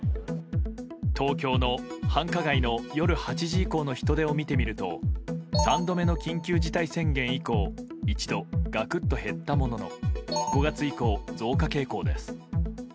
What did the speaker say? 東京の繁華街の夜８時以降の人出を見てみると３度目の緊急事態宣言以降一度、ガクッと減ったものの５月以降、増加傾向です。